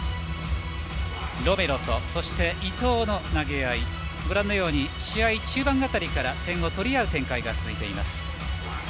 ロメロとそして伊藤が投げご覧のように試合中盤辺りから点を取り合う展開が続いています。